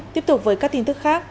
tiếp tục với các tin tức khác